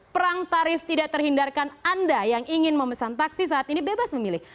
perang tarif tidak terhindarkan anda yang ingin memesan taksi saat ini bebas memilih